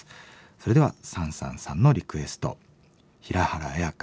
それではサンサンさんのリクエスト平原綾香